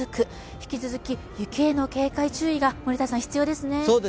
引き続き雪への警戒・注意が必要ですね。